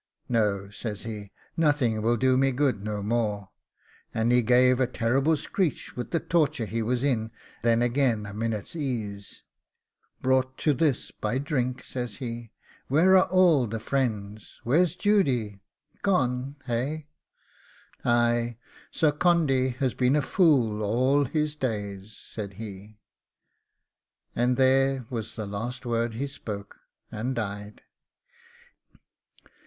'No,' says he, 'nothing will do me good no more,' and he gave a terrible screech with the torture he was in; then again a minute's ease 'brought to this by drink,' says he. 'Where are all the friends? where's Judy? Gone, hey? Ay, Sir Condy has been a fool all his days,' said he; and there was the last word he spoke, and died.